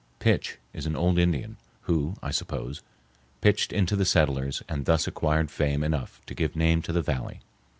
Pitch is an old Indian, who, I suppose, pitched into the settlers and thus acquired fame enough to give name to the valley.